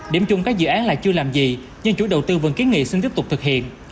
điểm chung các dự án lại chưa làm gì nhưng chủ đầu tư vẫn kiến nghị xin tiếp tục thực hiện